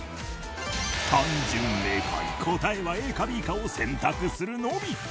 単純明快答えはＡかＢかを選択するのみ！